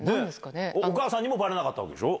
お母さんにもばれなかったわけでしょう？